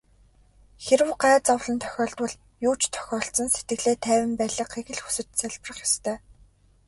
Хэрэв гай зовлон тохиолдвол юу ч тохиолдсон сэтгэлээ тайван байлгахыг л хүсэж залбирах ёстой.